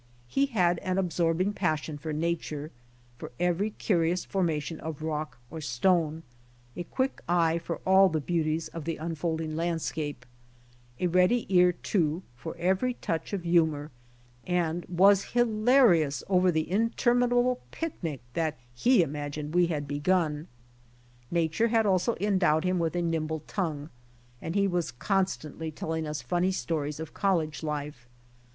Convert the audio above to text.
He had an absorbing passion for nature, for every curious formation of rock or stone, a quick eye for all the beauties of the unfolding land scape, a ready ear, too, for every touch of humor, and was hilarious over the interminable picnic that he imagined we had begiin. Nature had also endowed him with a nimble tongue, and he was constantly telling us funny stories of college life.